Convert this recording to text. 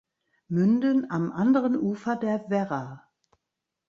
Münden am anderen Ufer der Werra.